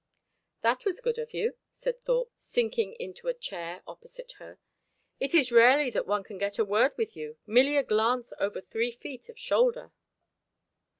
"That was good of you," said Thorpe, sinking into a chair opposite her. "It is rarely that one can get a word with you, merely a glance over three feet of shoulder."